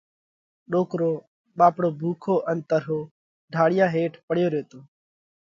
ڏوڪرو ٻاپڙو ڀُوکو ان ترهو، ڍاۯِيا هيٺ پڙيو ريتو۔